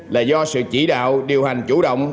là do sự chỉ đạo điều hành chủ động